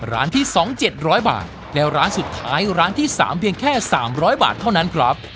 ร้านที่สองเจ็ดร้อยบาทและร้านสุดท้ายร้านที่สามเพียงแค่สามร้อยบาทเท่านั้นครับ